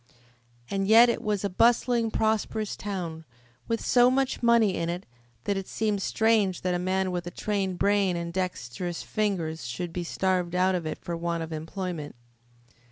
And yet it was a bustling, prosperous town, with so much money in it that it seemed strange that a man with a trained brain and dexterous fingers should be starved out of it for want of employment.